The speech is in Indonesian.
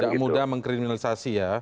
tidak mudah mengkriminalisasi ya